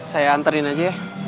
saya anterin aja ya